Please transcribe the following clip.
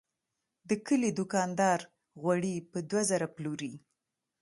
د کلي دوکاندار غوړي په دوه زره پلوري.